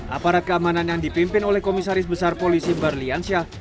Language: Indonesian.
aparat keamanan yang dipimpin oleh komisaris besar polisi barliansyah